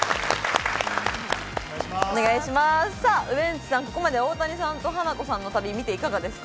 ウエンツさん、ここまで大谷さんとハナコさんの旅を見ていかがですか？